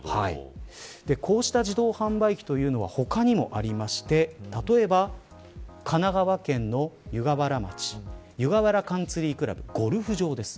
こうした自動販売機というのは他にもありまして例えば神奈川県の湯河原町湯河原カンツリー倶楽部ゴルフ場です。